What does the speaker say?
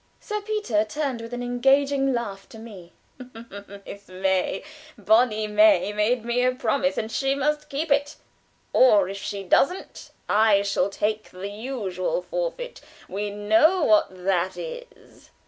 Sir Peter turned with an engaging laugh to me: "Miss May bonny May made me a promise, and she must keep it; or if she doesn't I shall take the usual forfeit. We know what that is.